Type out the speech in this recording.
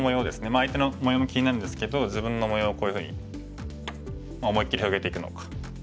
まあ相手の模様も気になるんですけど自分の模様をこういうふうに思いっきり広げていくのか。